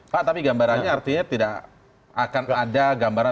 pak tapi gambarannya artinya tidak akan ada gambaran